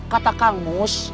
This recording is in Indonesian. kata kang mus